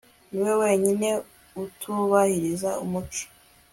Niwe wenyine utubahiriza umuco